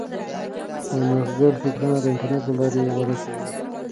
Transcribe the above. نوښتګر فکرونه د انټرنیټ له لارې وده کوي.